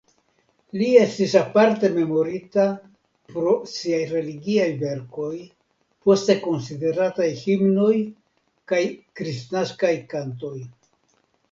Li estis aparte memorita pro siaj religiaj verkoj poste konsiderataj himnoj kaj kristnaskaj kantoj.